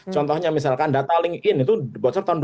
contohnya misalkan data linkedin itu bocor tahun dua ribu dua belas gitu